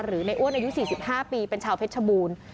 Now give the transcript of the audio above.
ในอ้วนอายุ๔๕ปีเป็นชาวเพชรบูรณ์